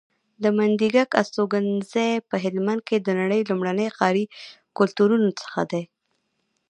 د منډیګک استوګنځی په هلمند کې د نړۍ لومړني ښاري کلتورونو څخه دی